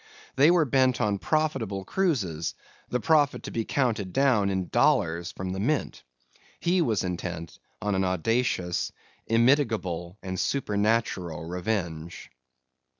They were bent on profitable cruises, the profit to be counted down in dollars from the mint. He was intent on an audacious, immitigable, and supernatural revenge.